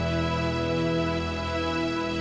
mainkan telah menyibukku